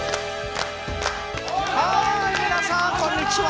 皆さんこんにちは。